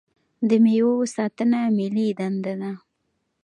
د میوو ساتنه ملي دنده ده.